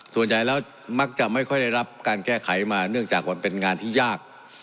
ส่วนใหญ่แล้วมักจะไม่ค่อยได้รับการแก้ไขมาเนื่องจากมันเป็นงานที่ยาก